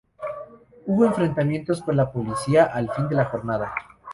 Hubo enfrentamientos con la policía al fin de la jornada.